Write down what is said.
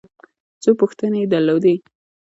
څه پوښتنې یې درلودې.